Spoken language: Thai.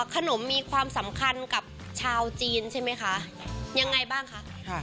ขนมมีความสำคัญกับชาวจีนใช่ไหมคะยังไงบ้างคะ